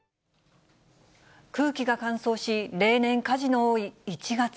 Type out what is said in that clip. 空気が乾燥し、例年、火事の多い１月。